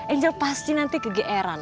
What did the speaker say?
angel pasti nanti kegeeran